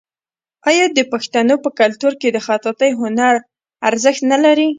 آیا د پښتنو په کلتور کې د خطاطۍ هنر ارزښت نلري؟